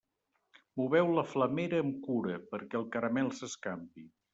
Moveu la flamera amb cura perquè el caramel s'escampi.